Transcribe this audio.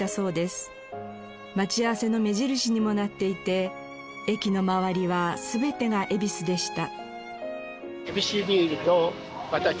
待ち合わせの目印にもなっていて駅の周りは全てが「えびす」でした。